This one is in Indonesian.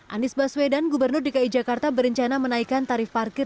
anies baswedan gubernur dki jakarta berencana menaikkan tarif parkir